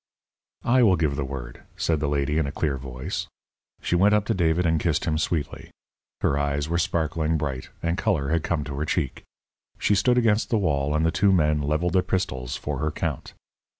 "I will give the word," said the lady, in a clear voice. She went up to David and kissed him sweetly. Her eyes were sparkling bright, and colour had come to her cheek. She stood against the wall, and the two men levelled their pistols for her count.